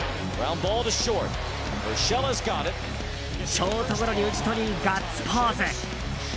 ショートゴロに打ち取りガッツポーズ。